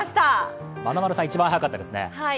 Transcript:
まなまるさん一番早かったですね。